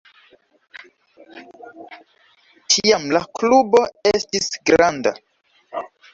Tiam la klubo estis granda.